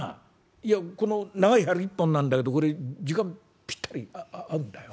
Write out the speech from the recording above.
いやこの長い針一本なんだけどこれ時間ぴったり合うんだよ。